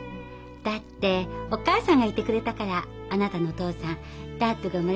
だってお義母さんがいてくれたからあなたのお父さんダッドが生まれたのよ。